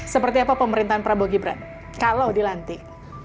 seperti apa pemerintahan prabowo gibran kalau dilantik